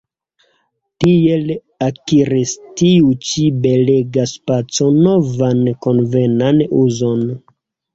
Tiel akiris tiu ĉi belega spaco novan konvenan uzon.